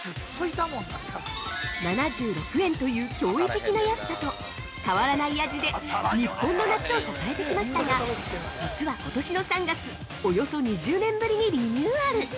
７６円という驚異的な安さと変わらない味で日本の夏を支えてきましたが実は今年の３月、およそ２０年ぶりにリニューアル！